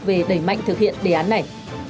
về đẩy mạnh thực hiện đề án này